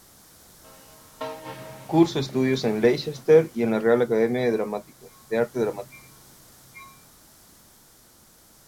Cursó estudios en Leicester y en la Real Academia de Arte Dramático.